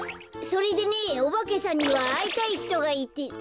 それでねオバケさんにはあいたいひとがいて。